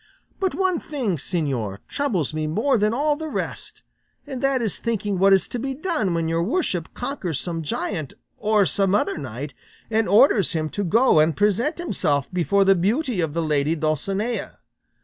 But one thing, señor, troubles me more than all the rest, and that is thinking what is to be done when your worship conquers some giant, or some other knight, and orders him to go and present himself before the beauty of the lady Dulcinea.